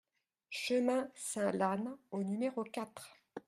Chemin Saint-Lannes au numéro quatre